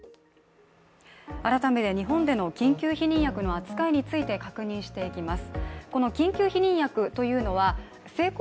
改めて日本での緊急避妊薬の扱いについて確認していきます。